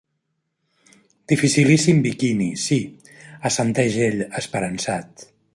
Dificilíssim biquini, sí —assenteix ell esperançat.